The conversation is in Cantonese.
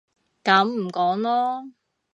噉唔講囉